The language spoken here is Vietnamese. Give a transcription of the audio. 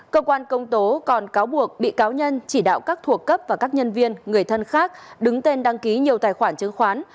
cơ quan công tố còn cáo buộc bị cáo nhân chỉ đạo các thuộc cấp và các nhân viên người thân khác đứng tên đăng ký nhiều tài khoản chứng khoán